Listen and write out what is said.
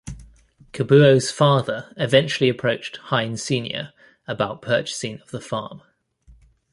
Kabuo's father eventually approached Heine Senior about purchasing of the farm.